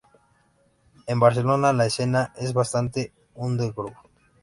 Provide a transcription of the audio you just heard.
En Barcelona la escena es bastante underground.